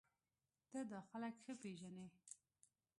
ته دا خلک ښه پېژنې